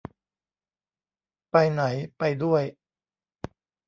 ไปไหน ไปด้วย